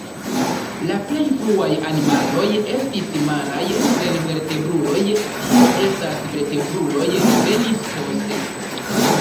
La plej fruaj animaloj estis maraj senvertebruloj, tio estas, vertebruloj venis poste.